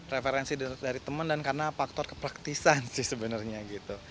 referensi dari teman dan karena faktor kepraktisan sih sebenarnya gitu